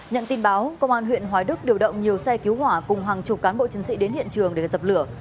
nhận tin báo công an huyện hoài đức điều động nhiều xe cứu hỏa cùng hàng chục cán bộ chiến sĩ đến hiện trường để dập lửa